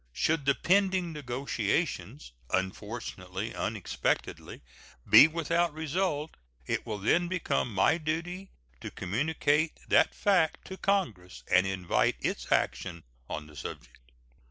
Should the pending negotiations, unfortunately and unexpectedly, be without result, it will then become my duty to communicate that fact to Congress and invite its action on the subject.